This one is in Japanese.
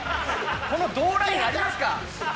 この同ラインありますか⁉